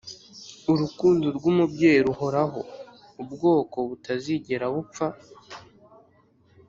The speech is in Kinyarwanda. urukundo rw'umubyeyi ruhoraho, ubwoko butazigera bupfa.